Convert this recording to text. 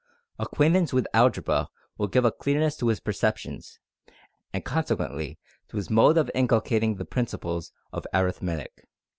Acquaintance with algebra will give a clearness to his perceptions, and consequently to his mode of inculcating the principles, of arithmetic.